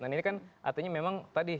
nah ini kan artinya memang tadi